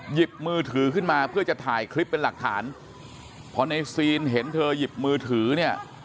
หยิบมือถือขึ้นมาเพื่อจะถ่ายคลิปเป็นหลักฐานพอในซีนเห็นเธอหยิบมือถือเนี่ย